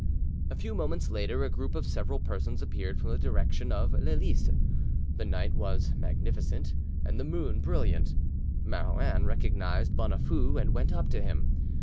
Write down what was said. A few moments later a group of several persons appeared from the direction of Les Lices. The night was magnificent, and the moon brilliant. Marouin recognised Bonafoux, and went up to him.